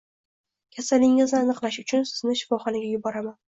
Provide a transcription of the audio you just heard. Kasalingizni aniqlash uchun sizni shifoxonaga yuboraman.